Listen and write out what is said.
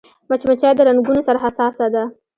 مچمچۍ د رنګونو سره حساسه ده